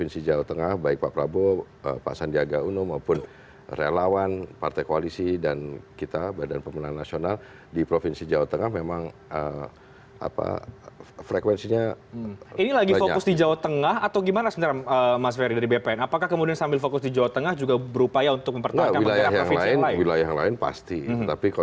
sebelumnya prabowo subianto